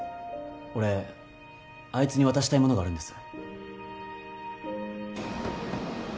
俺あいつに渡したいものがあるんです。